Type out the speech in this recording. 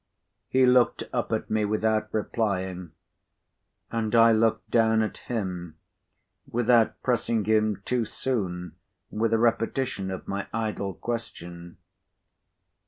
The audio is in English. He looked up at me without replying, and I looked down at him without pressing him too soon with a repetition of my idle question.